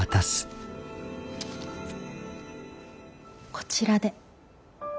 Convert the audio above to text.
こちらで。